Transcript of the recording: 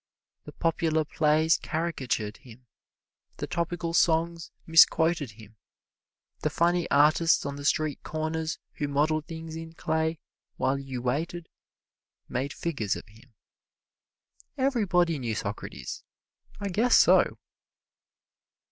The popular plays caricatured him; the topical songs misquoted him; the funny artists on the street corners who modeled things in clay, while you waited, made figures of him. Everybody knew Socrates I guess so!